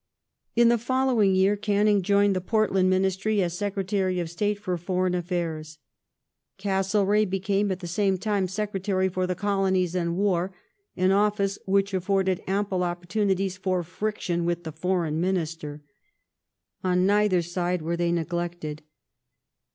In the following year Canning joined the Portland Ministry as Secretary of State for Foreign Affairs. Castlereagh became at the same time Secretary for the Colonies and War — an office which afforded ample opportunities for friction with the Foreign Minister. On neither side were they neglected.